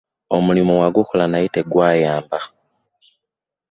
Omulimu wagukola naye tegwayamba.